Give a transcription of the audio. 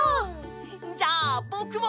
じゃあぼくも！